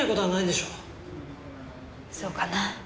そうかなあ？